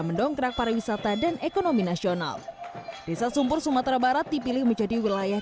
mendongkrak para wisata dan ekonomi nasional desa sumpur sumatera barat dipilih menjadi wilayah